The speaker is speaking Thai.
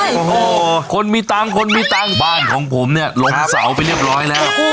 โอ้โหคนมีตังค์คนมีตังค์บ้านของผมเนี่ยลงเสาไปเรียบร้อยแล้ว